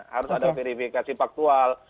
harus ada verifikasi faktual